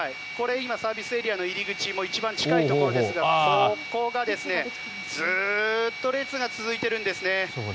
今、サービスエリアの入り口一番近いところですがここがずっと列が続いてるんですね。